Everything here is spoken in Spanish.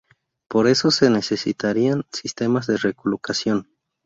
Por eso se necesitarían sistemas de recolocación.